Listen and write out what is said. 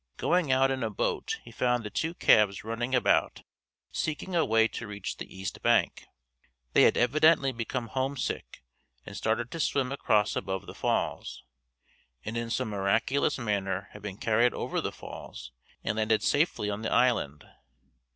Going out in a boat he found the two calves running about seeking a way to reach the east bank. They had evidently become homesick and started to swim across above the falls, and in some miraculous manner had been carried over the falls and landed safely on the island.